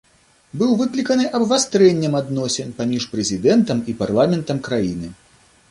Быў выкліканы абвастрэннем адносін паміж прэзідэнтам і парламентам краіны.